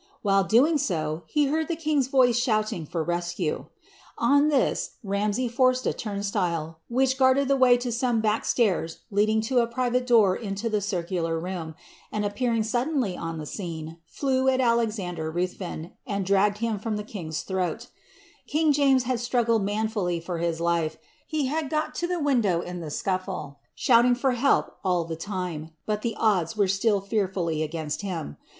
While so doing, he heard the king's voice shouting for rescue. On this, Ramsay forced a turnstile, which guarded the way to some back stairs leading to a private door into the circular room, and appearing suddenly on the scene, flew at Alexander Ruthven, and dragged him from the king's throat King James had struggled manfully for his life; he had got to the window in the scufile, shouting for help all the time, but the odds were still fearfully against him.